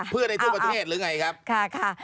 เพื่อในทั่วประเทศหรือไงครับค่ะ